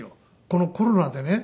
このコロナでね